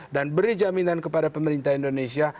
dan beri jaminan kepada pemerintah indonesia